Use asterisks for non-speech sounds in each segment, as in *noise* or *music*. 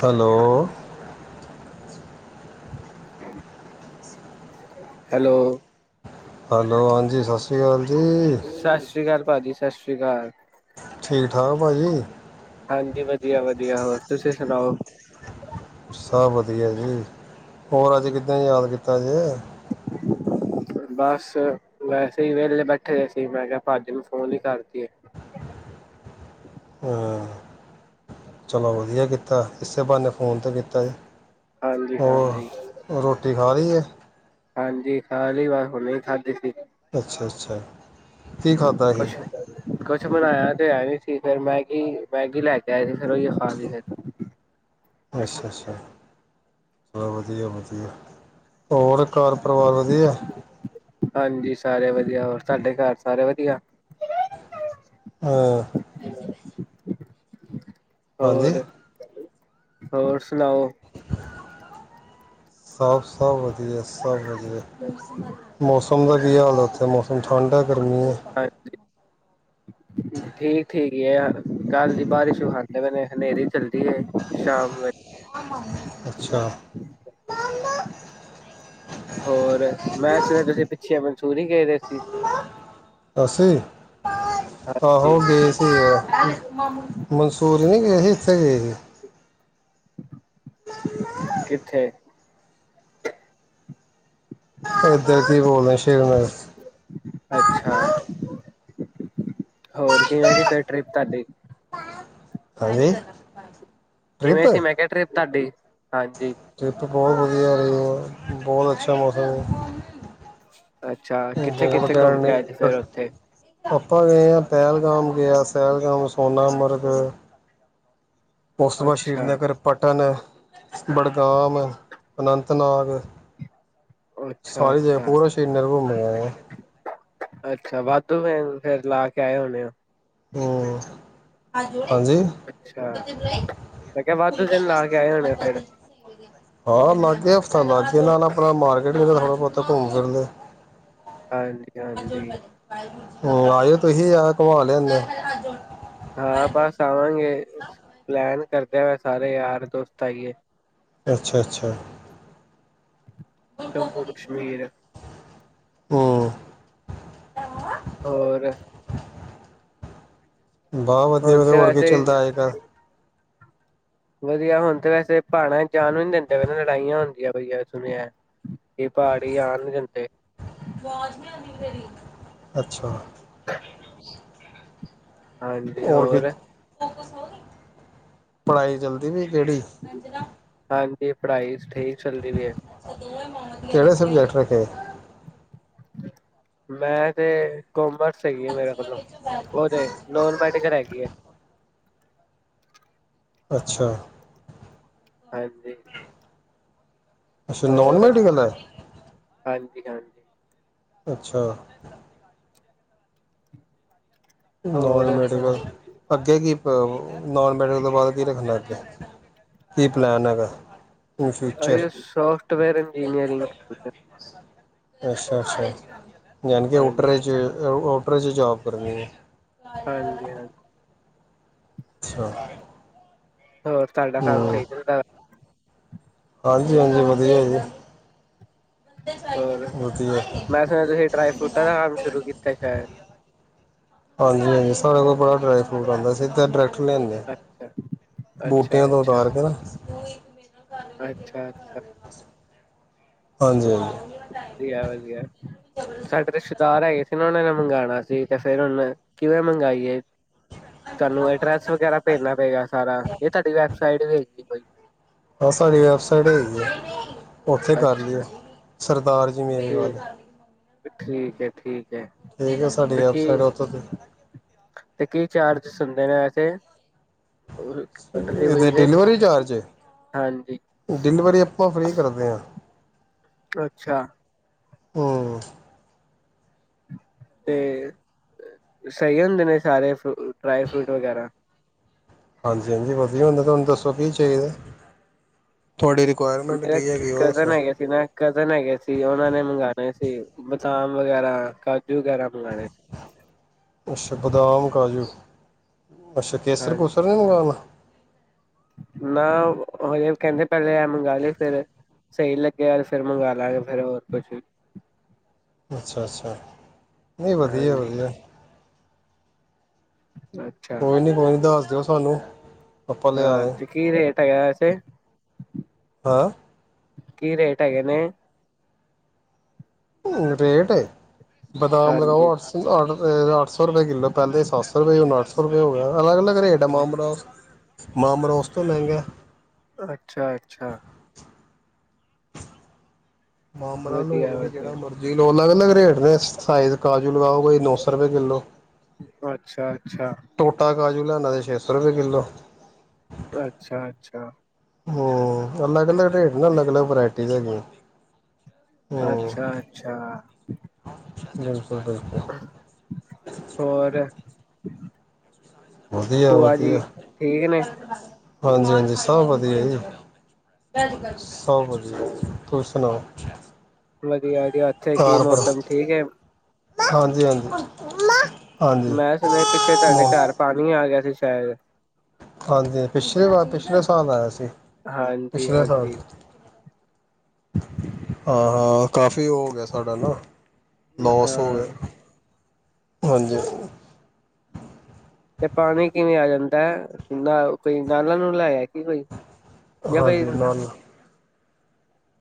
Hello hello hello ਹਾਂਜੀ ਸਤਿ ਸ਼੍ਰੀ ਅਕਾਲ ਜੀ ਸਤਿ ਸ੍ਰੀ ਅਕਾਲ ਭਾਜੀ ਸਤਿ ਸ਼੍ਰੀ ਅਕਾਲ ਠੀਕ ਠਾਕ ਭਾਜੀ ਹਾਂਜੀ ਵਧੀਆ ਵਧੀਆ ਹੋਰ ਤੁਸੀਂ ਸੁਣਾਓ ਸਭ ਵਧੀਆ ਜੀ ਹੋਰ ਅੱਜ ਕਿੱਦਾਂ ਯਾਦ ਕੀਤਾ ਜੇ ਬਸ ਵੈਸੇ ਹੀ ਵੇਹਲੇ ਬੈਠੇ ਸੀ ਮੈਂ ਕਿਹਾ ਭਾਜੀ ਨੂੰ ਫੋਨ ਹੀ ਕਰ ਦੇਈਏ ਹਾਂ ਚਲੋ ਵਧੀਆ ਕੀਤਾ ਇਸੇ ਬਹਾਨੇ ਫੋਨ ਤੇ ਕੀਤਾ ਹਾਂਜੀ ਹਾਂਜੀ, ਹੋਰ ਰੋਟੀ ਖਾ ਲਈ ਹੈ ਉਹ ਨਹੀਂ ਖਾੇ *unintelligible* ਸੀ ਅਤੇ *unintelligible* ਕੁਛ ਕੁਛ ਮਨਇਆ ਤੇ ਆ ਨੀ *unintelligible* ਫਿਰ ਮੈਗੀ ਮੈਗੀ ਲੈ ਕੇ ਆਏ ਸੀ ਫਿਰ ਉਹ ਹੀ ਖਾ ਲਈ ਫਿਰ ਅੱਛਾ ਅੱਛਾ ਹੋਰ ਵਧੀਆ ਵਧੀਆ ਹੋਰ ਘਰ ਪਰਿਵਾਰ ਵਧੀਆ ਹਾਂਜੀ, ਸਾਰੇ ਵਧੀਆ ਹੋਰ ਤੁਹਾਡੇ ਘਰ ਸਾਰੇ ਵਧੀਆ ਹਹ *unintelligible* ਹਾਂਜੀ ਹੋਰ ਹੋਰ ਸੁਣਾਓ? ਸਭ ਸਭ ਵ ਧੀਆ ਸਭ ਵਧੀਆਂ ਮੌਸਮ ਮੌਸਮ ਦਾ ਕੀ ਹਾਲ, ਉੱਥੇ ਮੌਸਮ ਠੰਡ ਹੈ? ਗਰਮੀਆਂ ਹਾਂਜੀ, ਠੀਕ ਠੀਕ ਹੈ *unintelligible* ਕੱਲ੍ਹ ਦੀ ਬਾਰਿਸ਼ ਵਿਖਦੇ ਪਏ ਨੇ, ਹਨੇਰੀ ਚੱਲਦੀ ਐ, ਸ਼ਾਮ ਵੇਲੇ ਅੱਛਾ। ਹੋਰ ਮੈਂ ਸੁਣਿਆਂ ਤੁਸੀਂ ਪਿੱਛੇ ਮਨਸੂਰੀ ਗਏ ਸੀ। ਅਸੀ ਆਹੋ ਹਾਂਜੀ ਗਏ ਸੀ ਮਨਸੂਰੀ ਨਹੀਂ ਗਏ ਸੀ ਇੱਥੇ ਗਏ ਹੀ। ਕਿੱਥੇ? ਇਏਦਾਂ ਕੀ ਬੋਲਦੇ ਸ਼ਰ ਅੱਛਾ *unintelligible* ਹੋਰ ਕਿਵੇਂ ਰੀ, ਫਿਰ ਟ੍ਰਿਪ ਤੁਹਾਡੀ? ਹਾਂਜੀ ਕਿਵੇਂ ਸੀ, ਮੈਂ ਕਿਹਾ ਟ੍ਰਿਪ ਤੁਹਾਡੀ? ਹਾਂਜੀ ਟਿ੍ਪ ਬਹੁਤ ਵਧੀਆ ਰਈਆਂ, ਉਹ ਬਹੁਤ ਅੱਛਾ ਮੌਸਮ ਅੱਛਾ ਹੇ। ਕਿੱਥੇ ਕਿੱਥੇ ਘੁੰਮ ਕੇ ਆਏ ਲ ਸੀ ਫਿਰ ਉੱਥੇ ਆਪਾ ਗਏ ਹ ਪਹਿਲ *unintelligible* ਪੈਲਗਾਮ ਗਿਆ, ਸੈਲਗਾਮ, ਸੋਨਾਮਰਗ। ਉਸ ਤੋਂ ਬਾਅਦ ਅੱਛਾ ਸ੍ਰੀਨਗਰ ਪਟਨ ਬਡਗਾਮ, ਅਨੰਤਨਾਗ ਅੱਛਾ ਸਾਰੀ ਜਗਾ ਅੱਛਾ ਪੂਰਾ ਸ਼੍ਰੀਨਗਰ ਘੁੰਮੇ ਆਏ ਆਂ। ਅੱਛਾ, ਵਾਧੂ ਫੈ ਫਰ ਲਾ ਕੇ ਆਏ ਹੋਣੇ ਉਹ। ਹੂੰ ਹਾਂਜੀ, ਅੱਛਾ ਮੈਂ ਕਿਹਾ ਵਾਧੂ ਦਿਨ ਲਾ ਕੇ ਆਏ ਹੋਣੇ ਫਿਰ ਹਾਂ ਲਾਗੇ ਹਫ਼ਤਾ ਲੱਗ ਗਿਆ, ਲਾ ਆਪਣਾ ਮਾਰਕੀਟ ਵੀ ਥੋੜਾ ਬਹੁਤਾ ਘੁੰਮ ਫੀਰ ਲੈ। ਹਾਂਜੀ -ਹਾਂਜੀ ਹੂੰ, ਆਜਓ ਤੁਸੀਂ ਆਇ ਘੁਮਾ ਲਿਆਏ ਆ। *unintelligible* ਹਾਂ, ਬਸ ਆਵਾਂਗੇ ਪਲੈਨ ਕਰਦੇ ਹੋਏ, ਸਾਰੇ ਯਾਰ ਦੋਸਤ ਆਈਏ। ਅੱਛਾ -ਅੱਛਾ ਜੰਮੂ- ਕਸ਼ਮੀਰ ਹੂੰ ਹੋਰ? ਬਾਹ ਵਧੀਆ ਹੁਣ ਤੇ -ਵਧੀਆ ਵੈਸੇ ਚੱਲਦਾ ਅੱਜ ਕੱਲ? ਵਧੀਆ ਹੁਣ ਤੇ ਵੈਸੇ ਪਹਾੜਾਂ ਜਾਣ ਵੀ ਨੀ ਦਿੰਦੇ, ਪਏ ਨ ਲੜਾਈਆਂ ਹੁੰਦੀਆਂ ਪਈਆ ਸੁਣਿਆ ਕਿ ਪਹਾੜੀ ਆਣ ਨੀ ਦਿੰਦੇ। ਆਵਾਜ਼ ਨਹੀਂ ਆਉਂਦੀ ਤੇੇਰੀ। ਅੱਛਾ। ਹਾਂਜੀ, ਹੋਰ। ਪੜਾਈ ਚੱਲਦੀ ਪਈ ਤੇਰੀ। *unintelligible* ਸਹੀ ਚੱਲਦੀ ਪਈ ਏ। ਕਿਹੜੇ ਸਬਜੈਕਟ ਰੱਖੇ ਆ। ਮੈਂ ਤੇ ਕੋਮਰਸ ਸਹੀ ਹੈ, ਮੇਰੇ ਮਤਲਬ ਉਹ ਤੇ ਨੋਨ ਮੈਡੀਕਲ ਹੈਗੀ ਹੈ। ਅੱਛਾ। ਹਾਂਜੀ। ਅੱਛਾ ਨੌਨ ਮੈਡੀਕਲ ਐ। ਹਾਂਜੀ। ਅੱਛਾ। ਨੌਨ ਹੋਰ ਮੈਡੀਕਲ ਅੱਗੇ ਕੀ ਨੌਨ ਮੈਡੀਕਲ ਤੋਂ ਬਾਅਦ ਕੀ ਰੱਖਣਾ ਅੱਗੇ ਕੀ ਪਲੈਨ ਹੈਗਾ। ਇਨ ਫਿਊਚਰ ਇਹ ਸੋਫਟਵੇਅਰ ਇੰਜੀਨੀਅਰਿੰਗ ਅੱਛਾ- ਅੱਛਾ। ਜਾਨੀ ਕਿ ਹਾਂਜੀ, ਉੱਟਰੇ ਚ ਔਟਰੇ ਚ ਜੋਬ ਕਰਨੀ ਹੈ। ਹਾਂਜੀ-ਹਾਂਜੀ। ਅੱਛਾ। ਹੋਰ ਤੁਹਾਡਾ ਕੰਮ ਹੂੰ, ਸਹੀ ਚੱਲਦਾ। ਹਾਂਜੀ, ਹਾਂਜੀ ਵਧੀਆ ਜੀ। ਹੋਰ ਵਧੀਆ, ਮੈਂ ਸੁਣਿਆ ਤੁਸੀਂ ਡਰਾਈ ਫਰੂਟਾਂ ਦਾ ਕੰਮ ਸ਼ੁਰੂ ਕੀਤਾ ਸ਼ਾਇਦ। ਹਾਂਜੀ-ਹਾਂਜੀ ਸਾਡੇ ਕੋਲ ਡਰਾਈ ਫਰੂਟ ਆਂਦਾ ਸਿੱਧਾ ਡਾਇਰੈਕਟ ਲੈਂਦੇ ਆ ਅੱਛਾ, ਬੂਟਿਆਂ ਤੋਂ ਉਤਾਰ ਕੇ ਨਾ ਅੱਛਾ-ਅੱਛਾ। ਹਾਂਜੀ, ਹਾਂਜੀ। ਵਧੀਆ- ਵਧੀਆ ਸਾਡੇ ਰਿਸ਼ਤੇਦਾਰ ਹੈਗੇ। ਫਿਰ ਉਹਨਾਂ ਨੇ ਮੰਗਵਾਣਾ ਸੀ, ਤੇ ਫੇਰ ਉਹਨਾਂ ਕਿਵੇਂ ਮੰਗਾਈਏ। ਤੁਹਾਨੂੰ ਐਡਰੈਸ ਵਗੈਰਾ ਭੇਜਣਾ ਪਏਗਾ ਸਾਰਾ ਇਹ ਤੁਹਾਡੀ ਸਾਈਡ ਵੇਖੀ ਕੋਈ ਹਾਂ ਸਾਡੀ ਵੈਬਸਾਈਟ ਹੈਗੀ ਆ। ਉੱਥੇ ਕਰ ਲੀਓ ਅੱਛਾ ਸਰਦਾਰ ਜੀ ਮੇਰੀ ਵੱਲ। ਠੀਕ ਠੀਕ ਏ ਠੀਕ। ਹੈ ਠੀਕ ਏ ਸਾਡੀ ਤੇ ਕੀ ਵੈਬਸਾਈਟ ਓਥੋਂ ਦੀ ਤੇ ਕੀ ਚਾਰਜਸ ਹੁੰਦੇ ਨੇ ਵੈਸੇ ਇਦੇ ਡਿਲੀਵਰੀ ਚਾਰਜ, ਹਾਂਜੀ ਡਿਲੀਵਰੀ ਆਪਾਂ ਫ੍ਰੀ ਕਰਦੇ ਆਂ। ਅੱਛਾ, ਹੂੰ, ਤੇ ਸਹੀ ਹੁੰਦੇ ਨੇ ਸਾਰੇ ਫੂ ਡਰਾਈ ਫਰੂਟ ਵਗੈਰਾ। ਹਾਂਜੀ-ਹਾਂਜੀ ਵਧੀਆ ਹੁੰਦੇ। ਤੁਹਾਨੂੰ ਦੱਸੋ ਕੀ ਚਾਹੀ- ਡਰੈਕਟ ਕਜ਼ਨ ਹੈਗੇ ਸੀ ਨਾ -ਕ *unintelligible* ਜ਼ਨ ਹੈਗੇ ਸੀ ਉਹਨਾਂ ਨੇ ਮੰਗਵਾਣੇ ਸੀ। ਬਦਾਮ ਵਗੈਰਾ ਕਾਜ- ਜੂ ਵਗੈਰਾ ਮੰਗਵਾਣੇ ਸੀ। ਬਾਦਾਮ ਕਾਜੂ। ਅੱਛਾ ਕੇਸਰ ਹਾਂਜੀ ਕੂਸਰ ਨਹੀ ਮੰਗਵਾਉਣਾ ਨਾ ਓ ਹਜੇ ਕਹਿੰਦੇ ਪਹਿਲੇ ਇਹ ਮੰਗਵਾਦੇ ਫੇਰ ਸਹੀ ਲਗਿਆ ਤੇ ਫੇਰ ਮੰਗਵਾ ਲਵਾਂਗੇ ਫਿਰ ਹੋਰ ਕੁਛ ਵੀ। ਅੱਛਾ ਅੱਛਾ ਨਹੀਂ ਵਧੀਆ ਹਾਂਜੀ ਅੱਛਾ ਕੋਈ ਨੀ ਕੋਈ ਨੀ ਦੱਸ ਜੋ ਸਾਨੂੰ ਆਪਾਂ ਲਿਆ ਹਾਂ ਦੇ ਤੇ ਕੀ ਰੇਟ ਇਥੇ ਹੈਂ ਕੀ ਰੇਟ ਹੈਗੇ ਨੇ। ਓ ਰੇਟ ਏ *unintelligible* ਬਦਾਮ ਹਾਂਜੀ ਲਗਾਓ ਅਠ ਸ ਆਠ *unintelligible* ਏ ਅਠ ਸ *unintelligible* ਸੌ ਰਪਏ ਕਿੱਲੋ ਪੇਲੇ ਸਤ ਸੋ ਰੁਪਏ ਹੁਣ ਅੱਠ ਸੌ *unintelligible* ਰੁਪੇ ਹੋ ਗਿਆ। *unintelligible* ਅਲੱਗ ਅਲੱਗ ਰੇਟ ਐ। ਮਾਮਰੋਸ ਮਾਮਰੋਸ ਓਸ ਤੋਂ ਮਹਿੰਗਾ ਅੱਛਾ ਅੱਛਾ *unintelligible* ਮਾਮਰਾ ਲੌ ਵਧੀਆ ਤੁਸੀ ਜਿਹੜਾ ਵਧੀਆ ਮਰਜੀ ਲੋ। ਅਲੱਗ ਅਲੱਗ ਰੇਟ ਨੇ ਸਾਈਜ਼ ਕਾਜੂ ਲਗਾਓ ਕੋਈ ਨੌ ਸੌ ਰੁਪਏ ਕਿੱਲੋ। ਅੱਛਾ ਅੱਛਾ ਟੋਟਾ ਕਾਜੂ ਲੈਣਾ ਏ ਛੇ ਸੌ ਰੁਪਏ ਕਿੱਲੋ। ਅੱਛਾ ਅੱਛਾ ਹੋ ਅਲੱਗ-ਅਲੱਗ ਰੇਟ ਨੇ ਅਲੱਗ-ਅਲੱਗ ਵਰਾਇਟੀ ਦੇ ਹੈਗੇ। ਅੱਛਾ ਅੱਛਾ ਬਿਲਕੁਲ-ਬਿਲਕੁਲ ਹੋਰ *unintelligible* ਵਧੀਆ ਭੂਆ ਜੀ ਵਧੀਆ ਠੀਕ ਨੇ ਹਾਂਜੀ ਹਾਂਜੀ ਸਭ ਵਧੀਆ ਜੀ ਸਭ ਵਧੀਆ ਤੁਸੀਂ ਸੁਣਾਓ ਵਧੀਆ ਜੀ ਇੱਥੇ ਕੀ ਮੌਸਮ ਠੀਕ ਹੈ ਹਾਂਜੀ ਹਾਂਜੀ ਮੈਂ ਸੁਣਿਆ ਪਿੱਛੇ ਤੁਹਾਡੇ ਘਰ ਪਾਣੀ ਆ ਗਿਆ ਸੀ ਸ਼ਾਇ *unintelligible* ਹਾਂਜੀ ਪਿਛਲੇ ਵਾਰ ਪਿਛਲੇ ਸਾਲ ਆਇਆ ਸੀ ਹਾਂਜੀ ਹਾਂਜੀ *inaudible* *inaudible* ਹਾਂ ਹਾਂ ਕਾਫੀ ਉਹ ਹੋ ਗਿਆ *unintelligible* ਨੌ ਸੌ ਹਾਂ ਹਾਂਜੀ ਤੇ ਪਾਣੀ ਕਿਵੇਂ ਆ ਜਾਂਦਾ ਹੈ ਨਾ ਕੋਈ ਨਾਲਾਂ ਨੂੰ ਲੈਆ ਕਿ ਕੋਈ ਜਾਂ ਕੋਈ ਹਾਂਜੀ ਮਨ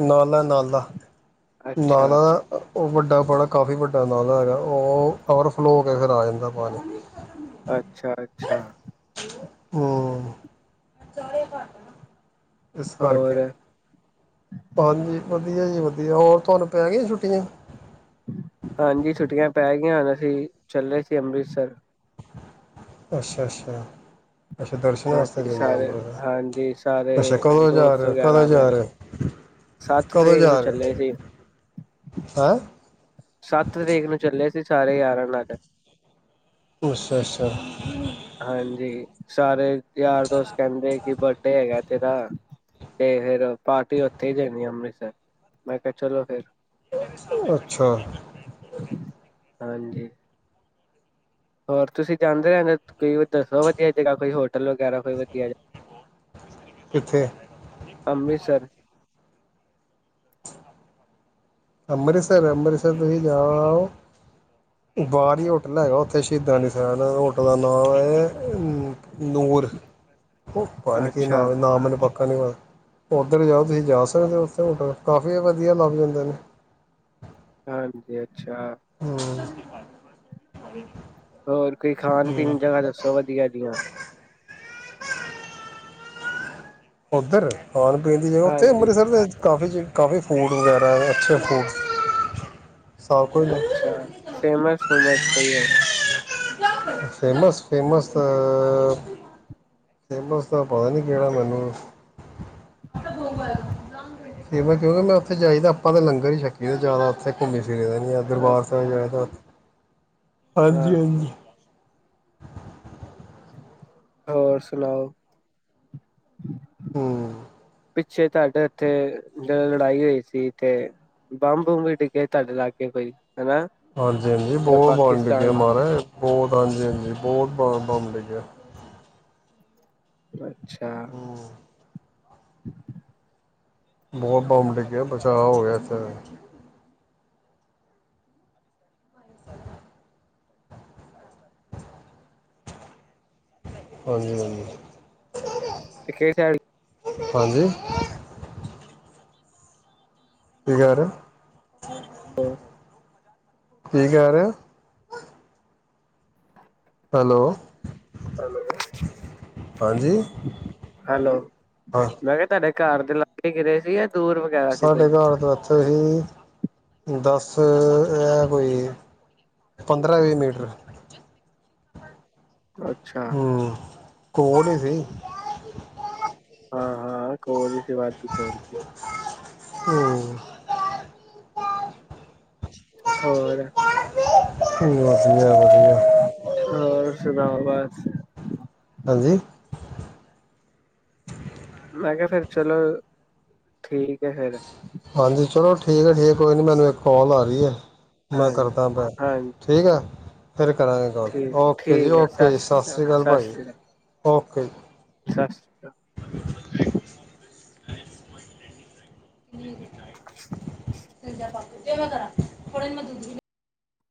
ਨਾ ਨਾਲਾ ਅੱਛਾ ਨਾ ਉਹ ਵੱਡਾ ਬੜਾ ਕਾਫ਼ੀ ਵੱਡਾ ਅੰਦਾਜ਼ਾ ਹੈਗਾ ਉਹ ਓਵਰਫਲੋ ਹੋ ਕੇ ਫਿਰ ਆ ਜਾਂਦਾ ਪਾਣੀ ਅੱਛਾ ਅੱਛਾ ਹਮ ਇਸ ਕਰਕੇ ਹੋਰ ਹਾਂਜੀ ਵਧੀਆ ਜੀ ਵਧੀਆ ਵੀ ਹੋਰ ਤੁਹਾਨੂੰ ਪੈ ਗਈ ਛੁੱਟੀ ਦੀ ਹਾਂਜੀ ਛੁੱਟੀਆਂ ਪੈ ਗਈਆਂ ਹਨ ਅਸੀਂ ਚੱਲੇ ਸੀ ਅੰਮ੍ਰਿਤਸਰ ਅੱਛਾ ਅੱਛਾ ਦਰਸ਼ਨ ਵਾਸਤੇ ਹਾਂਜੀ ਜਾਂਦੇ ਸਾਰੇ ਅੰਮ੍ਰਿਤਸਰ ਹਾਂਜੀ ਸਾਰੇ ਅੱਛਾ ਕਦੋਂ ਜਾ ਦੋਸਤ ਰਹੇ ਹੋ ਕਦੋਂ ਗਿਆਰਾਂ ਜਾ ਮਿਲ ਰਹੇ ਕੇ ਹੋ ਸੱਤ ਕਦੋਂ ਤਰੀਕ ਨੂੰ ਜਾ ਰਹੇ ਚੱਲੇ ਹੋ ਸੀ ਹੈਂ ਸੱਤ ਤਰੀਕ ਨੂੰ ਚੱਲੇ ਸੀ ਸਾਰੇ ਹੀ ਯਾਰਾਂ ਨਾਲ ਅੱਛਾ ਅੱਛਾ ਹਾਂਜੀ ਸਾਰੇ ਯਾਰ ਦੋਸਤ ਕਹਿੰਦੇ ਬਰਡੇ ਹੈਗਾ ਤੇਰਾ ਤੇ ਫੇਿਰ ਪਾਰਟੀ ਉੱਥੇ ਦੇਣੀ ਅੰਮ੍ਰਿਤਸਰ ਮੈਂ ਕਿਹਾ ਚਲੋ ਫਿਰ ਅੱਛਾ ਹਾਂਜੀ ਹੋਰ ਤੁਸੀਂ ਜਾਂਦੇ ਰਹਿੰਦੇ ਕੋਈ ਦੱਸੋ ਵਧੀਆ ਜਗ੍ਹਾ ਕੋਈ ਹੋਟਲ ਵਗੈਰਾ ਕੋਈ ਵਧੀਆ ਕਿੱਥੇ? ਅੰਮ੍ਰਿਤਸਰ ਅੰਮ੍ਰਿਤਸਰ ਸਿਰ ਅੰਮ੍ਰਿਤਸਰ ਤੁਸੀਂ ਜਾਓ ਬਾਹਰ ਹੀ ਹੋਟਲ ਹੈਗਾ ਉੱਥੇ ਸ਼ਹੀਦਾਂ ਸਾਈਡ ਹੋਟਲ ਦਾ ਨਾਮ ਹੈ ਨੂਰ ਉਹ ਪਤਾ ਨੀ ਕੀ ਅੱਛਾ ਨਾ ਨਾ ਮੈਨੂੰ ਪੱਕਾ ਨੀ ਪਤਾ ਉੱਧਰ ਜਾਓ ਤੁਸੀਂ ਜਾ ਸਕਦੇ ਹੋ ਉੱਥੇ ਹੋਟਲ ਕਾਫੀ ਵਧੀਆ ਲੱਭ ਜਾਂਦਾ ਏ ਹਾਂਜੀ ਅੱਛਾ ਹ ਹੋਰ ਕੋਈ ਖਾਣ ਪੀਣ ਜਗ੍ਹਾ ਦੱਸੋ ਵਧੀਆ ਦੀਆਂ ਓਧਰ ਖਾਣ- ਪੀਣ ਦੀ ਜਗ੍ਹਾ ਉੱਥੇ ਹਾਂਜੀ ਅਮ੍ਰਿਤਸਰ ਦੇ ਵਿਚ ਕਾਫੀ ਚੀ ਕਾਫੀ ਫੂਡ ਵਗੈਰਾ, ਅੱਛੇ ਫੂਡ ਸਭ ਕੁਝ ਅੱਛਾ ਫੇਮਸ-ਫੁਮਸ ਕਈ ਐ ਫੇਮਸ ਫੇਮਸ ਤਾਂ ਫੇਮਸ ਦਾ ਪਤਾ ਨੀ ਕਿਹੜਾ ਮੈਨੂੰ ਕਿਉਂਕਿ ਮੈਂ ਉਥੇ ਜਾਈ ਤੇ ਆਪਾਂ ਤੇ ਲੰਗਰ ਹੀ ਛਕੀ ਦਾ ਜਿਆਦਾ ਉਥੇ ਘੁੰਮੀ ਫਿਰੇ ਦਾ ਨਹੀਂ ਹੈ ਦਰਬਾਰ ਸਾਬ ਅੱਛਾ ਜਾ ਤਾਂ ਹਾਂ ਹਾਂਜੀ- ਹਾਂਜੀ। ਹੋਰ ਸੁਣਾਓ ਹੂੰ, ਪਿੱਛੇ ਤੁਹਾਡੇ ਇੱਥੇ ਜੇ ਲੜਾਈ ਹੋਈ ਸੀ ਤੇ ਬੰਬ ਬੁੰਬ ਵੀ ਡਿੱਗੇ ਤੁਹਾਡੇ ਲਾਗੇ ਕੋਈ ਹਨਾ ਹਾਂਜੀ-ਹਾਂਜੀ ਬਹੁਤ ਬੰਬ ਡਿੱਗੇ ਆ ਪਾਕਿਸਤਾਨ ਮਹਾਰਾਜ ਬਹੁਤ ਹਾਂਜੀ- ਹਾਂਜੀ। ਬਹੁਤ ਬ ਬੰਮ ਡਿੱਗਿਆ। *unintelligible* ਅੱਛਾ, ਹੂੰ *inaudible* ਬਹੁਤ ਬੰਬ ਡਿੱਗਿਆ ਬਚਾ ਹੋ ਗਿਆ ਇੱਥੇ *inaudible* ਹਾਂਜੀ- ਹਾਂਜੀ। ਤੇ ਕਿਹੜੀ ਸ ਹਾਂਜੀ, ਕੀ ਕਹਿ ਰਹੇ ਹੋ ਕੀ ਕਹਿ ਰਹੇ ਓ ਹੈਲੋ, ਹਾਂਜੀ ਹੈਲੋ, ਹਾਂ ਮੈਂ ਕਿਹਾ ਤੁਹਾਡੇ ਘਰ ਦੇ ਲਾਗੇ ਗਿਰੇ ਸੀ ਜਾਂ ਦੂਰ ਵਗੈਰਾ ਸੀ ਸਾਡੇ ਕੋਈ ਘਰ ਤੋਂ ਇੱਥੇ ਹੀ ਦਸ ਅ ਇਹ ਕੋਈ ਪੰਦਰਾਂ ਵੀਹ ਮੀਟਰ ਅੱਛਾ। ਹੂੰ ਕੋਲ ਹੀ ਸੀ। ਹਾਂ ਹਾਂ ਕੋਲ ਹੀ ਸੀ, ਵਾਧੂ ਕੋਲ ਹੀ ਸੀ। ਹੂੰ। ਹੋਰ, *inaudible* ਵਧੀਆ- ਵਧੀਆ। *inaudible* ਹਾਂਜੀ। ਮੈਂ ਕਿਹਾ ਫੇਰ ਚਲੋ ਠੀਕ ਹੈ ਫੇਰ। ਹਾਂਜੀ। ਚਲੋ ਠੀਕ ਹੈ। ਠੀਕ। ਕੋਈ ਨਾ ਮੈਨੂੰ ਇੱਕ ਕਾਲ ਆ ਰਹੀ ਹੈ। ਮੈਂ ਹਾਂਜੀ ਕਰਦਾ ਬੈਕ, ਹਾਂਜੀ ਠੀਕ ਐ। ਫਿਰ ਕਰਾਂਗੇ ਗੱਲ। ਠੀਕ ਓਕੇ ਜੀ। ਠੀਕ ਹੈ ਓਕੇ ਜੀ। ਸਤਿ ਸ਼੍ਰੀ ਅਕਾਲ ਸਤਿ ਭਾਜੀ। ਸ਼੍ਰੀ ਅਕਾਲ ਓਕੇ। ਸਤਿ ਸ਼੍ਰੀ ਅਕਾਲ। *inaudible* *unintelligible* *unintelligible* *unintelligible* *unintelligible*